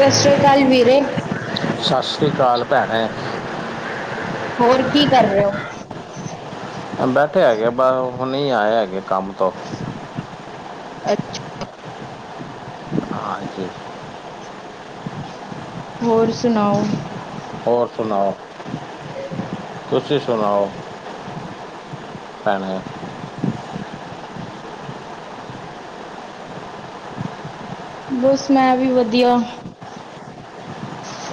ਸਸਰਿਆ ਕਾਲ ਵੀਰੇ। ਸਾਸਰੀ ਕਾਲ ਭੈਣੇ ਹੋਰ ਕੀ ਕਰ ਰੇ ੳ। ਬੈਠੇ ਹੈਗੇ ਆ ਬਹੁ ਹੁਨੇ ਆਏ ਹੈਗੇ ਕੰਮ ਤੋਂ। ਅੱਛ ਹਾਂਜੀ। ਹੋਰ ਸੁਣਾਓ? ਹੋਰ ਸੁਣਾਓ? [inaudible] ਤੁਸੀਂ ਸੁਣਾਓ ਭੈਣੇ ਬਸ ਮੈਂ ਵੀ ਵਧੀਆ।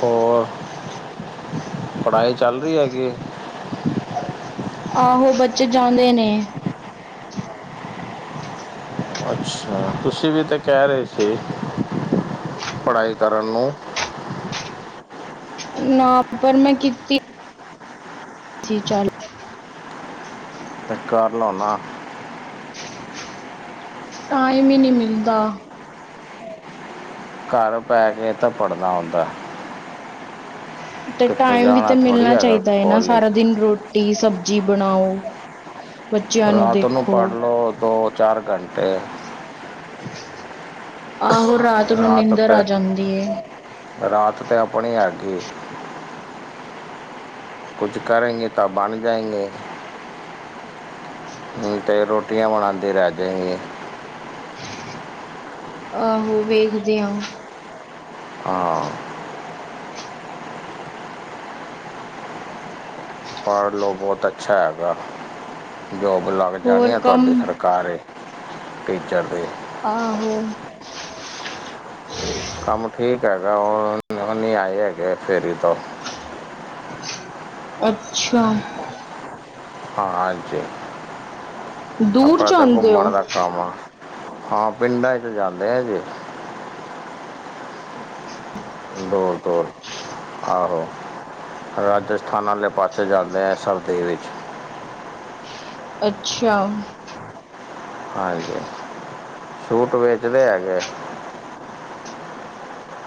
ਹੋਰ। ਪੜ੍ਹਾਈ ਚੱਲ ਰੀ ਹੈਗੀ ਐ। ਆਹੋ ਬੱਚੇ ਜਾਂਦੇ ਨੇ। ਅੱਛਾ ਤੁਸੀਂ ਵੀ ਤੇ ਕੈ ਰਏ ਸੀ, ਪੜ੍ਹਾਈ ਕਰਨ ਨੂੰ। ਨਾ ਪਰ ਮੈਂ ਕੀਤੀ ਸੀ। ਚਾਲ ਤੇ ਕਰ ਲੋਨਾ ਟਾਈਮ ਈ ਨੀ ਮਿਲਦਾ। ਘਰ ਬੈ ਕੇ ਤਾਂ ਪੜ੍ਹਦਾ ਹੁੰਦਾ ਏ। ਤੇ ਟਾਈਮ ਵੀ ਜਾਣਾ ਤੇ ਥੋੜ੍ਹੀ ਮਿਲਣਾ ਹੈਗਾ ਚਾਹੀਦਾ ਏ ਨਾ ਕਾਲਜ ਸਾਰਾ ਦਿਨ ਰੋਟੀ ਸਬਜ਼ੀ ਬਣਾਓ। ਬੱਚਿਆਂ ਰਾਤ ਨੂੰ ਦੇਖੋ ਪੜ੍ਹ ਲੋ, ਦੋ-ਚਾਰ ਘੰਟੇ। ਆਹੋ ਰਾਤ ਨੂੰ ਨੀਂਦਰ ਆ ਜਾਂਦੀ ਏ। ਰਾਤ ਤੇ ਆਪਣੀ ਐਗੀ। ਕੁਝ ਕਰੇਗੀ ਤਾਂ ਬਣ ਜਾਏਗੀ। ਨੀ ਤੇ ਰੋਟੀਆਂ ਬਣਾਂਦੀ ਰਹਿ ਜੇਏਗੀ। ਆਹੋ ਵੇਖਦੇ ਆ। ਹਾ। ਪੜ੍ਹ ਲਓ ਬਹੁਤ ਅੱਛਾ ਹੈਗਾ। ਜੋਬ ਲੱਗ ਹੋਰ ਜਾਣੀ ਆ ਕੰਮ ਤੁਹਾਡੀ ਸਰਕਾਰੀ। ਟੀਚਰ ਦੇ। ਆਹੋ। ਕੰਮ ਠੀਕ ਹੈਗਾ। ਉ ਨੀ ਆਏ ਹੈਗੇ ਫੇਰੀ ਤੋਂ ਅੱਛਾ। ਹਾਂ ਅੱਜ, ਦੂਰ ਆਪਣਾ ਤਾਂ ਜਾਂਦੇ ਹੋ ਘੁੰਮਣ ਦਾ ਕੰਮ ਹਾਂ, ਹਾ ਪਿੰਡਾਂ ਚ ਜਾਂਦੇ ਹੈਗੇ। ਦੂਰ-ਦੂਰ ਆਹੋ। ਰਾਜਸਥਾਨ ਆਲੇ ਪਾਸੇ ਜਾਂਦੇ ਆ ਸਰਦੀ ਵਿੱਚ--ਵਿੱਚ। ਅੱਛਾ। ਹਾਂਜੀ, ਸੂਟ ਵੇਚਦੇ ਹੈਗੇ।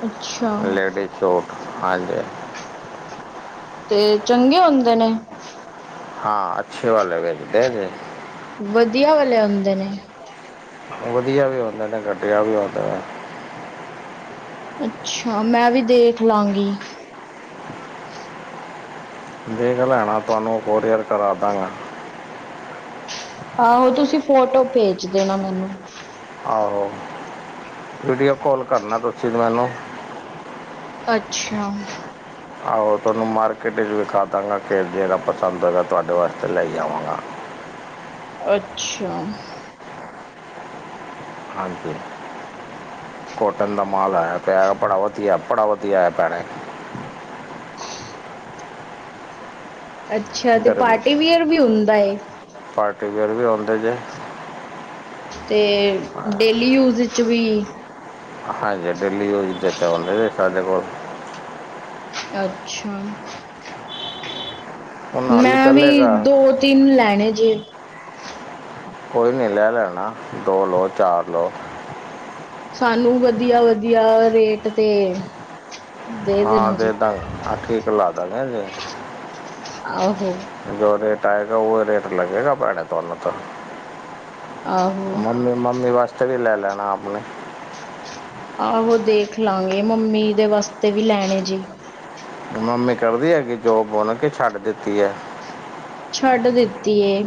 ਅੱਛਾ। ਲੇਡੀਜ਼ ਸੂਟ ਹਾਂਜੀ। ਤੇ ਚੰਗੇ ਹੁੰਦੇ ਨੇ। ਹਾਂ, ਅੱਛੇ ਵਾਲੇ ਵੇਚਦੇ ਜੇ। ਵਧੀਆ ਵਾਲੇ ਹੁਂਦੇ ਨੇ। ਵਧੀਆ ਵੀ ਉਂਦੇ ਨੇ, ਘਟੀਆ ਵੀ ਉਂਦੇ ਨੇ। ਅੱਛਾ, ਮੈਂ ਵੀ ਦੇਖ ਲਾਂਗੀ। ਦੇੇਖ ਲੈਣਾ, ਤੁਹਾਨੂੰ ਕੋਰੀਅਰ ਕਰਾ ਦਾਂਗਾ। ਆਹੋ! ਤੁਸੀਂ ਫੋਟੋ ਭੇਜ ਦੇਣਾ ਮੈਨੂੰ। ਆਹੋ! ਵੀਡੀਓ ਕੋਲ ਕਰਨਾ ਤੁਸੀ ਮੈਨੂੰ। ਅੱਛਾ। ਆਹੋ! ਤੁਹਾਨੂੰ ਮਾਰਕੀਟ ਵਿਖਾ ਦਾਂਗਾ ਕਿ ਜੇਹੜਾ ਪਸੰਦ ਹੋਏਗਾ ਤੁਹਾਡੇ ਵਾਸਤੇ ਲਈ ਆਵਾਂਗਾ। ਅੱਛਾ। ਹਾਂਜੀ, ਕੋਟਨ ਦਾ ਮਾਲ ਆਇਆ ਪਇਆ ਬੜਾ ਵਤੀਆ ਬੜਾ ਵ ਵਧੀਆ ਐ ਭੈਣੇ। [unintelligible] ਅੱਛਾ, ਤੇ ਗਰਮ ਪਾਰਟੀਵਿਅਰ ਵੀ ਹੁੰਦਾ ਏ। ਪਾਰਟੀ ਵੇਅਰ ਵੀ ਉਂਦੇ ਜੇ। ਤੇ ਡੇਲੀ ਯੂਜ ਵਿੱਚ ਵੀ। ਹਾਂਜੀ, ਡੇਲੀ ਯੂਜ ਦੇ ਤੇ ਹੁੰਦੇ ਦੇ ਸਾਡੇ ਕੋਲ। ਅੱਛਾ, ਹੁਣ ਹਾਲੀ ਮੈਂ ਵੀ ਚੱਲੇਗਾ ਦੋ ਤਿੰਨ ਲੈਣੇ ਜੇ। ਕੋਈ ਨੀ ਲੈ ਲੈਣਾ ਦੋ ਲੋ, ਚਾਰ ਲੋ। ਸਾਨੂੰ ਵਧੀਆ-ਵਧੀਆ ਰੇਟ ਤੇ ਦੇ ਹਾਂ ਦੇਣਾ ਜੀ ਦੇਦਾ ਹਾ ਠੀਕ ਲਾ ਦੇਗਾ ਜੇ ਆਹੋ! ਜੋ ਰੇਟ ਆਏਗਾ ਓ ਰੇਟ ਲੱਗੇਗਾ ਭੈਣੇ ਤੁਹਾਨੂੰ ਤਾਂ। ਆਹੋ ਮੰਮੀ-ਮੰਮੀ ਵਾਸਤੇ ਵੀ ਲੈ ਲੈਣਾ ਆਪਣੇ। ਆਹੋ ਦੇਖ ਲਾਂਗੇ ਮੰਮੀ ਦੇ ਵਾਸਤੇ ਵੀ ਲੈਣੇ ਜੀ। ਮੰਮੀ ਕਰਦੀ ਹੈਗੀ ਜੋਬ ਬੁਣ ਕੇ ਛੱਡ ਦਿੱਤੀ ਐ। ਛੱਡ ਦਿੱਤੀ ਏ।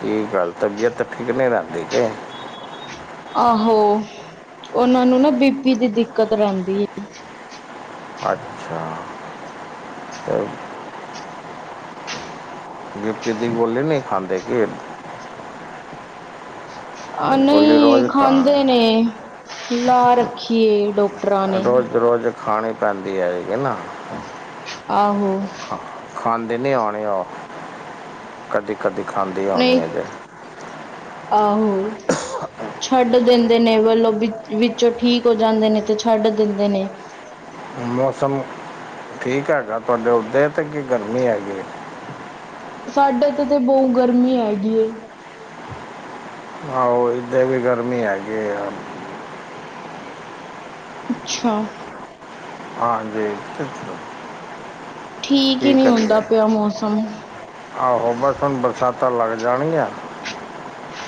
ਕੀ ਗੱਲ ਤਬੀਅਤ ਠੀਕ ਨੀ ਰੈਂਦੀ ਕੇ। ਆਹੋ ਉਨਾਂ ਨੂੰ ਨਾ ਬੀ ਪੀ ਦੀ ਦਿੱਕਤ ਰੈਂਦੀ। ਅੱਛਾ, ਓ ਬੀ ਪੀ ਦੀ ਗੋਲੀ ਨੀ ਖਾਂਦੇ ਕੇ। ਆ ਗੋਲੀ ਨਈ ਰੋਜ਼ ਖਾਣ ਖਾਂਦੇ ਨੇ। ਲਾ ਰੱਖੀਏ ਡਾਕਟਰਾਂ ਨੇ। ਰੋਜ਼ ਰੋਜ਼ ਖਾਣੀ ਪੈਂਦੀ ਹੈਗੀ ਨਾ। ਆਹੋ! ਖਾ ਖਾਂਦੇ ਨੀ ਹੋਣੀ ਓ, ਕਦੀ-ਕਦੀ ਖਾਂਦੀ ਹੋਣੀ ਅ ਨਹੀਂ ਜੇ। ਆਹੋ! ਛੱਡ ਦਿੰਦੇ ਨੇ ਵੱਲੋਂ ਵਿੱਚ ਵਿੱਚੋਂ ਠੀਕ ਹੋ ਜਾਂਦੇ ਨੇ ਤੇ ਛੱਡ ਦਿੰਦੇ ਨੇ। ਮੌਸਮ, ਠੀਕ ਹੈਗਾ ਤੁਹਾਡੇ ਉੱਦੇ 'ਤੇ ਕੀ ਗਰਮੀ ਹੈਗੀ? ਸਾਡੇ ਏਤੇ ਤੇ ਬੋ ਗਰਮੀ ਹੈਗੀ ਏ। ਆਹੋ ਏਧੇ ਵੀ ਗਰਮੀ ਹੈਗੀ ਏ। ਅੱਛਾ! ਹਾਂਜੀ। ਠੀਕ ਈ ਕੀ ਨੀ ਹੁੰਦਾ ਕਰੀਏ ਪਿਆ ਮੌਸਮ। ਆਹੋ ਬਸ ਹੁਣ ਬਰਸਾਤਾਂ ਲੱਗ ਜਾਣਗੀਆਂ।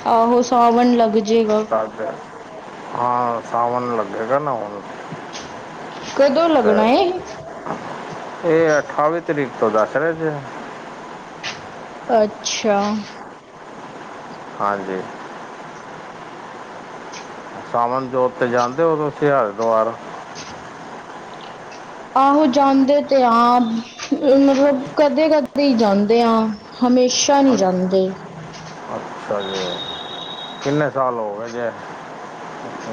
ਆਹੋ ਸਾਵਣ ਲੱਗ ਜੇਗਾ। ਹਾਂ ਸਾਵਣ ਲੱਗੇਗਾ ਨਾ ਹੁਣ। ਕਦੋਂ ਲੱਗਣਾ ਏ? ਏ ਅਠਾਵੀ ਤਰੀਕ ਤੋਂ ਦੱਸ ਰੇ ਸੀ। ਅੱਛਾ। ਹਾਂਜੀ। ਸਾਵਣ ਜੋਤ 'ਤੇ ਜਾਂਦੇ ਓ ਤੁਸੀਂ ਹਰਿਦੁਆਰ। ਆਹੋ ਜਾਂਦੇ ਤੇ ਆ ਮਤਲਬ ਕਦੇ-ਕਦੇ ਜਾਂਦੇ ਆ। ਹਮੇਸ਼ਾ ਨੀ ਅੱਛ- ਜਾਂਦੇ। ਅੱਛਾ ਜੀ। ਕਿੰਨੇ ਸਾਲ ਹੋਗੇ ਜੇ,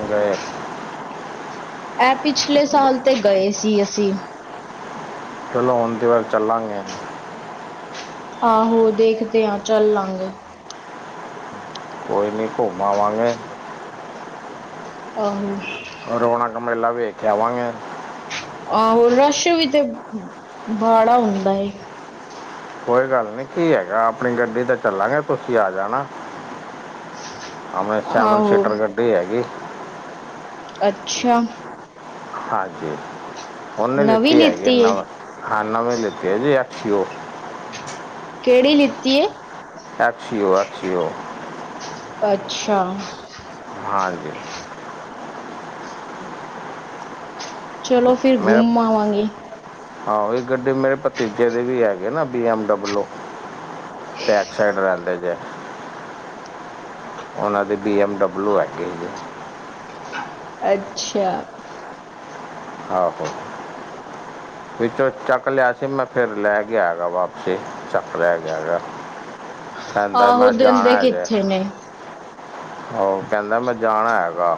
ਗਏ? ਐ ਪਿਛਲੇ ਸਾਲ ਤੇ ਗਏ ਸੀ ਅਸੀਂ। ਚਲੋ ਹੁਣ ਦੇ ਵਾਰੀ ਚੱਲਾਂਗੇ। ਆਹੋ ਦੇਖਦੇ ਆ ਚੱਲਾਂਗੇ। ਕੋਈ ਨੀ ਘੁੰਮ ਆਵਾਂਗੇ। ਆਹੋ! ਰੋਣਕ ਮੇਲਾ ਵੇਖ ਕੇ ਆਵਾਂਗੇ। ਆਹੋ ਰਸ਼ ਵੀ ਤੇ ਬਾਲਾ ਹੁੰਦਾ ਏ। ਕੋਈ ਗੱਲ ਨੀ ਕੀ ਹੈਗਾ ਆਪਣੀ ਗੱਡੀ ਤੇ ਚੱਲਾਂਗੇ ਤੁਸੀਂ ਆ ਜਾਣਾ। ਆਪਣੇ ਸੈਵਨ ਆਹੋ ਸੀਟਰ ਗੱਡੀ ਹੈਗੀ। ਅੱਛਾ! ਹਾਂਜੀ, ਉਹਨੇ ਨਵੀਂ ਲਿੱਤੀ ਹੈਗੀ ਏ ਨਵੇਂ, ਹਾਂ ਨਵੇਂ ਲਿੱਤੇ ਹੈ ਜੀ ਐੱਫ ਸੀ ਓ। ਕਿਹੜੀ ਲਿੱਤੀ ਏ? F C O F C O. ਅੱਛਾ ਹਾਂਜੀ। ਚਲੋ ਫਿਰ ਗੁੰਮ ਆਵਾਂਗੇ। ਆਹੋ ਇਹ ਗੱਡੀ ਮੇਰੇ ਭਤੀਜੇ ਦੇ ਵੀ ਹੈਗੇ ਨਾ B M W. Back side ਰਹਿੰਦੇ ਜੇ। ਉਹਨਾ ਦੇ ਬੀ ਐਮ ਡਬਲੂ ਹੈਗੇ ਜੀ। ਅੱਛਾ। ਆਹੋ। ਵਿੱਚੋਂ ਚੱਕ ਲਿਆ ਸੀ ਮੈਂ ਫੇਰ ਲੈ ਕੇ ਆ ਗਿਆ ਵਾਪਸੀ ਈ ਚੱਕ ਲੈ ਗਿਆ ਗਾ, ਕਹਿੰਦਾ ਆਹੋ ਮੈਂ ਜਾਣਾ ਦਿੰਦੇ ਹੈਗਾ। ਕਿੱਥੇ ਨੇ ਉਹ ਕਹਿੰਦਾ ਮੈਂ ਜਾਣਾ ਹੈਗਾ।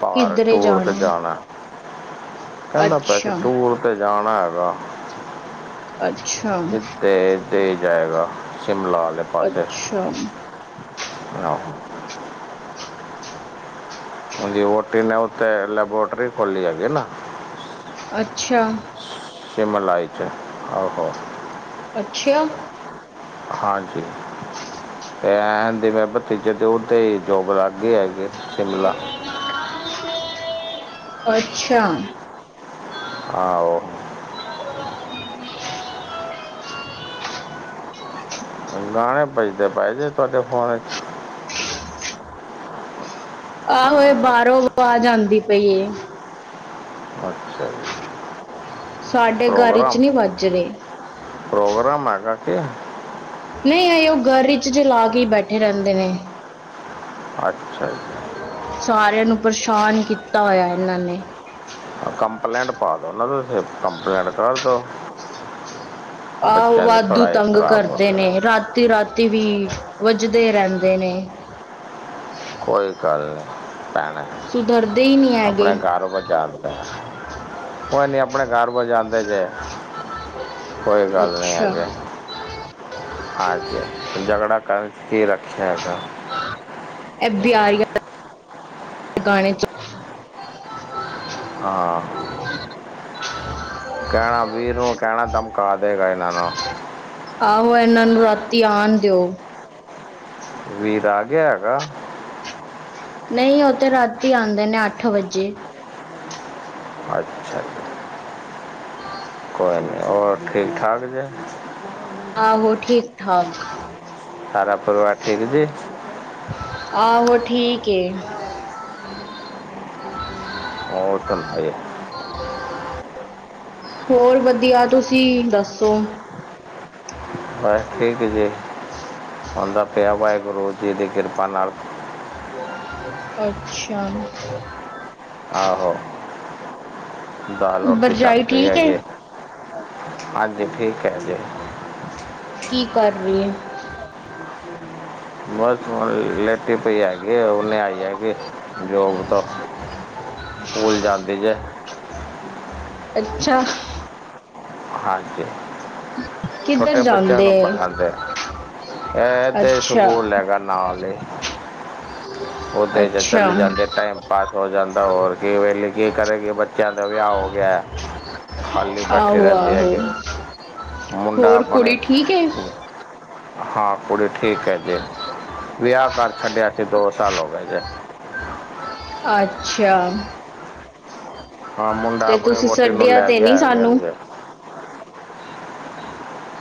ਬਾਹਰ ਕਿੱਧਰੇ ਟੂਰ ਤੇ ਹੈ? ਜਾਣਾ। ਕਹਿੰਦਾ ਪਿਆ ਸੀ ਅੱਛਾ ਟੂਰ ਤੇ ਜਾਣਾ ਹੈਗਾ। ਅੱਛਾ ਦੇ ਦੇ ਜਾਏਗਾ, ਸ਼ਿਮਲਾ - ਅੱਛਾ। ਆਹੋ ਹਾਜੀ ਓਟੀ ਨੇ ਉੱਤੇੇ ਲੈਬੋਰਟਰੀ ਖੋਲ੍ਹੀ ਜਾਦੀ ਨਾ। ਅੱਛਾ। ਸ਼ਿਮਲਾ ਵਿੱਚ ਆਹੋੋ। ਅੱਛਾ। ਹਾਂਜੀ, ਤੇ ਐ ਦੀਵੇੈ ਭਤੀਜੇ ਦਿਓ ਤੇ ਜੋਬ ਲੱਗ ਗਈ ਹੈਗੀ। ਸ਼ਿਮਲਾ ਅੱਛਾ। ਆਹੋ [unintelligible] ਗਾਣੇ ਭੱਜਦੇ ਪਏ ਜੇ ਤੁਹਾਡੇ ਫੋਨ ਵਿੱਚ। [inaudible] ਆਹੋ, ਇਹ ਬਾਹਰੋਂ ਆਵਾਜ਼ ਆਂਦੀ ਪਈ ਏ। [inaudible] ਅੱਛਾ। ਜੀ ਸਾਡੇ ਘਰ 'ਚ ਪ੍ਰੋਗਰਾਮ ਨਹੀਂ ਵੱਜ ਰਹੇ। ਪ੍ਰੋਗਰਾਮ ਆ। ਨਰਾਤੇ ਆ। ਨਹੀਂ ਇਹੀਓ ਘਰ ਵਿੱਚ ਚਲਾ ਕੇ ਹੀ ਬੈਠੇ ਰਹਿੰਦੇ ਨੇ। [inaudible] ਅੱਛਾ ਜੀ। ਸਾਰਿਆਂ ਨੂੰ ਪਰੇਸ਼ਾਨ ਕੀਤਾ ਹੋਇਆ ਇਹਨਾਂ ਨੇ। ਕੰਪਲੇਂਟ ਪਾ ਦੋ ਨਾ ਤੁਸੀਂ, ਕੰਪਲੇਂਟ ਕਰਦੋ। ਆਹੋ ਬੱਚਿਆਂ ਦੇ ਪੜ੍ਹਾਈ ਖ਼ਰਾਬ ਹੋਦੀ ਆ। ਤੇ ਰਾਤੀਂ ਵੀ, ਵੱਜਦੇ ਰਹਿੰਦੇ ਨੇ। ਕੋਈ ਗੱਲ ਨੀ ਭੈਣੇ, ਸੁਧਰਦੇ ਹੀ ਨਹੀਂ ਹੈਗੇ ਆਪਨੇ ਘਰ ਵਜਾਂਦਾ। ਕੋਈ ਨੀ ਆਪਣੇ ਘਰ ਵਜਾਂਦੇ ਜੇ। ਕੋਈ ਗੱਲ ਨੀ ਅੱਛਾ ਹੈਗੀ। ਹਾਂਜੀ, ਜਕੜਾ ਕਰਕੇ ਰੱਖਿਆ ਗਿਆ। ਇਹ ਬਿਆਰੀ ਗਾਣੇ ਚ [inaudible] ਹਾਂ। [inaudible] ਕੈਣਾ ਵੀਰ ਨੂੰ ਕੈਣਾ ਧਮਕਾ ਦੇਗਾ ਏਨਾਂ ਨੂੰ। ਆਹੋ, ਏਨਾਂ ਨੂੰ ਰਾਤੀ ਆਨ ਦੇਓ? ਵੀਰ ਆ ਗਯਾ ਹੈਗਾ? ਨਈ ਓ ਤੇ ਰਾਤੀ ਆਂਦੇ ਨੇ ਅੱਠ ਵਜੇ। ਅੱਛਾ ਜੀ। ਕੋਈ ਨੀ, ਹੋਰ ਠੀਕ-ਠਾਕ ਜੇ? ਆਹੋ, ਠੀਕ-ਠਾਕ। ਸਾਰਾ ਪਰਵਾਰ ਠੀਕ ਜੀ? ਆਹੋ, ਠੀਕ ਏ। ਔਰ [unintelligible] ਹੋਰ ਵਦੀਆ ਤੁਸੀਂ ਦੱਸੋ? ਬਸ ਠੀਕ ਜੀ, ਹੋਂਦਾ ਪਯਾ ਵਾਹਿਗੁਰੂ ਜੀ ਦੀ ਕਿਰਪਾ ਨਾਲ। ਅੱਛਾ। ਆਹੋ, ਦਾਲ ਰੋਟੀ ਚੱਲ ਭਰਜਾਈ ਰੀ ਠੀਕ ਏ ਹੈਗੀ। ਹਾਂਜੀ, ਠੀਕ ਐ ਜੀ। ਕੀ ਕਰ ਰੀ ਏ? ਬਸ ਹੁਨ ਲੇਟੀ ਪਈ ਹੈਗੀ, ਹੁਨੇ ਆਈ ਹੈਗੀ ਜੋਬ ਤੋਂ। ਸਕੂਲ ਜਾਂਦੀ ਜੇ। ਅੱਛਾ। ਹਾਂਜੀ ਕਿੱਧਰ ਛੋਟੇ ਬੱਛੇਆਂ ਜਾਂਦੇ ਨੂੰ ਏ ਪੜ੍ਹਾਦੇ। ਐ ਤੇ ਅੱਛਾ ਸਕੂਲ ਹੈਗਾ ਨਾਲ ਈ। ਓਦੇ 'ਚ ਅੱਛਾ ਚਲੀ ਜਾਂਦੀ ਟਾਈਮ ਪਾਸ ਹੋ ਜਾਂਦਾ ਹੋਰ ਕੀ ਵੇਲੇ ਕੀ ਕਰੇਗੀ ਬੱਚ ਚੇ ਆਂ ਦਾ ਵਿਆਹ ਹੋ ਗਯਾ ਖਾਲੀ ਬੈਠੀ ਆਹੋ ਰੈਂਦ ਦੀ ਆਹੋ ਹੈਗੇ ਮੁੰਡਾ ਹੋਰ ਆਪਣੇ ਕੁੜੀ ਠੀਕ ਏ ਹਾਂ ਕੁੜੀ ਠੀਕ ਹੈ ਜੀ, ਵਿਆਹ ਕਰ ਛੱਡਿਆ ਸੀ ਦੋ ਸਾਲ ਹੋ ਗੇ ਜੇ। ਅੱਛਾ। ਹਾਂ ਮੁੰਡਾ ਤੇ ਆਪਣੀ ਤੁਸੀਂ ਵੋਟੀ ਨੂੰ ਸਡੇਆ ਲੈ ਤੇ ਨੀ ਗਿਆ ਹੈਗਾ ਸਾਨੂੰ। ਜੀ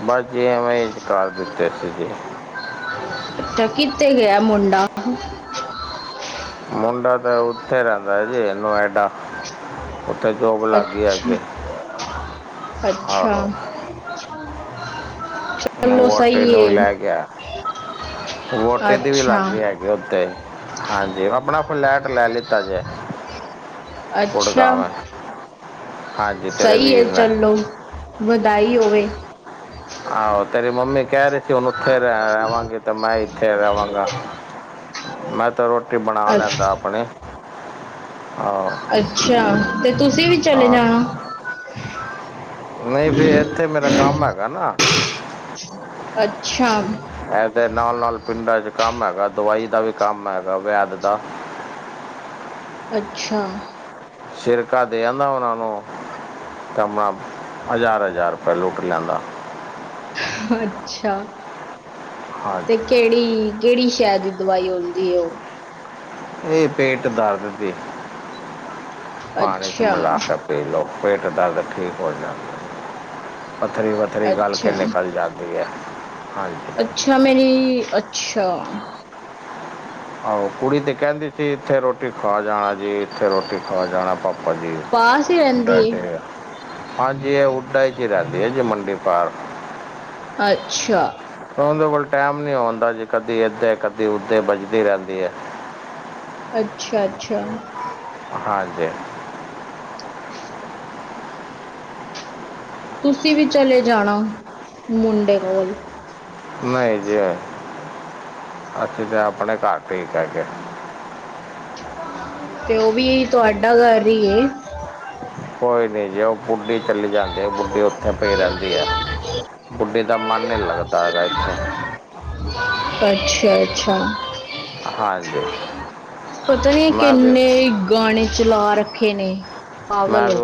ਬਸ ਜੀ ਐਵੇਂ ਈ ਕਰ ਦਿੱਤੇ ਸੀ ਜੀ। ਤਾਂ ਕੀਤੇ ਗਯਾ ਮੁੰਡਾ? [unintelligible] ਮੁੰਡਾ ਤਾਂ ਓਥੇ ਰੈਂਦੈ ਜੀ ਨੋਏਡਾ। ਅੱਛਾ, ਹੈਗੀ ਅੱਛਾ। ਆਹੋ [unintelligible] ਵੋਟੀ ਸਹੀ ਨੂੰ ਵੀ ਏ ਲੈ ਗਯਾ, ਵੋਟੀ ਦੀ ਵੀ ਲੱਗ ਅੱਛਾ ਗੀ ਹੈਗ ਗੀ ਓਥੇ, ਹਾਂਜੀ ਆਪਣਾ ਫਲੈਟ ਲੈ ਲੀਤਾ ਜੇ। ਅੱਛਾ। ਗੁੜਗਾਵੇਂ ਹਾਂਜੀ ਤੇਰੇ ਸਈ ਏ ਵੀਰ ਨੇ ਚੱਲੋ ਵਦਾਈ ਹੋਵੇ। ਆਹੋ ਤੇਰੀ ਮੰਮੀ ਕੈ ਰੀ ਸੀ ਹੁਨ ਉੱਥੇ ਰੈ ਰੈਵਾਂਗੀ। ਤੇ ਮੈਂ ਇੱਥੇ ਰਵਾਂਗਾ ਮੈਂ ਤੇ ਰੋਟੀ ਬਣਾ ਲੈਂਦਾ ਅ- ਆਪਣੀ। ਹਾਂ। ਅੱਛਾ ਤੇ ਤੁਸੀਂ ਵੀ ਚਲੇ ਜਾਣਾ। ਨਈ ਫੇਰ ਏਥੇ ਮੇਰਾ ਕੰਮ ਹੈਗਾ ਨਾ। ਅੱਛਾ। ਇਹ ਤੇ ਨਾਲ- ਨਾਲ ਪਿੰਡਾਂ ਚ ਕੰਮ ਹੈਗਾ ਦਵਾਈ ਦਾ ਵੀ ਕੰਮ ਹੈਗਾ ਵੈਦ ਦਾ। ਅੱਛਾ। ਸਿਰਕਾ ਦੇ ਆਂਦਾ ਉਹਨਾਂ ਨੂੰ। ਤੇ ਮੈਂ ਹਜ਼ਾਰ- ਹਜ਼ਾਰ ਰੁਪਏ ਲੁੱਟ ਲੈਂਦਾ। ਅੱਛਾ। ਹਾਂ। ਤੇ ਕਿਹੜੀ- ਕਿਹੜੀ ਸ਼ੈ ਦੀ ਦਵਾਈ ਹੁੰਦੀ ਏ ਉਹ। ਇਹ ਪੇਟ ਦਰਦ ਦੀ। ਪਾਣੀ ਚ ਅੱਛਾ ਮਿਲਾ ਕੇ ਪੀ ਲਓ ਪੇਟ ਦਰਦ ਠੀਕ ਹੋ ਜਾਂਦਾ। ਪੱਥਰੀ- ਵਥਰੀ ਗਲ ਕੇ ਅੱਛਾ ਨਿਕਲ ਜਾਂਦੀ ਹੈ, ਹਾਂਜੀ। ਅੱਛਾ ਮੇਰੀ ਅੱਛਾ। ਆਹੋ ਕੁੜੀ ਤੇ ਕਹਿੰਦੀ ਸੀ ਇੱਥੇ ਰੋ- ਟੀ ਖਾ ਜਾਣਾ ਜੀ ਇੱਕੋ ਰੋਟੀ ਖਾ ਜਾਣਾ ਪਾਪਾ ਜੀ, ਪਾਸ ਹੀ ਰਹਿੰਦੀ ਡਰਦੇ ਆ। ਹੈ ਹਾਂਜੀ ਉੱਡਾਈ ਚ ਰਹਿੰਦੀ ਹੈ ਜੀ ਮੰਡੀ ਪਾਰ। ਅੱਛਾ। ਉਹਦੇ ਕੋਲ ਟਾਈਮ ਨੀ ਆਉਂਦਾ ਜੀ ਕਦੀ ਏਦਰ ਕਦੀ ਉੱਧਰ ਵੱਜਦੀ ਰਹਿੰਦੀ ਹੈ। ਅੱਛਾ- ਅੱਛਾ। ਹਾਂਜੀ- ਹਾਂਜੀ। ਤੁਸੀਂ ਵੀ ਚਲੇ ਜਾਣਾ, ਮੁੰਡੇ ਕੋਲ ਈ। ਨਹੀਂ ਜੀ, ਅਸੀਂ ਤਾਂ ਆਪਣੇ ਘਰ ਠੀਕ ਹੈਗੇ ਏ। ਤੇ ਉਹ ਵੀ ਤੁਹਾਡਾ ਘਰ ਈ ਐ। ਕੋਈ ਨਹੀਂ ਜੇ ਉਹ ਬੁੱਢੀ ਚਲੀ ਜਾਂਦੀ ਹੈ ਬੁੱਢੀ ਉੱਥੇ ਪਈ ਰਹਿੰਦੀ ਹੈ। ਬੁੱਢੀ ਦਾ ਮਨ ਨੀ ਲੱਗਦਾ ਹੈਗਾ ਇੱਥੇ। ਅੱਛਾ- ਅੱਛਾ। ਹਾਂਜੀ। ਪਤਾ ਨੀ ਮੈਂ ਵੀ ਕਿੰਨੇ ਗਾਣੇ ਚਲਾ ਰੱਖੇ ਨੇ, ਪਾਗਲ ਮੈਂ ਹੋ। ਵੀ